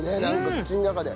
口の中で。